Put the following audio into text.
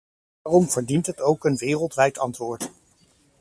Daarom verdient het ook een wereldwijd antwoord.